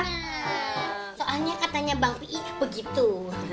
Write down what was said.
bener soalnya katanya bang fie begitu